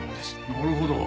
なるほど。